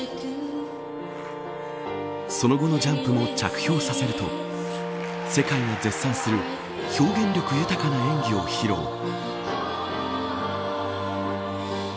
その後もジャンプも着氷させると世界が絶賛する表現力豊かな演技を披露。